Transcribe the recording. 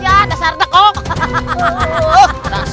kan amat dengdor